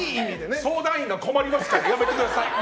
相談員が困りますからやめてください。